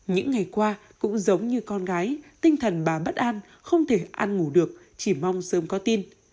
những ngày qua cũng giống như con gái tinh thần bà bất an không thể ăn ngủ được chỉ mong sớm có tin